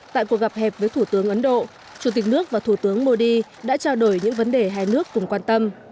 tại cuộc gặp hẹp với thủ tướng ấn độ chủ tịch nước và thủ tướng modi đã trao đổi những vấn đề hai nước cùng quan tâm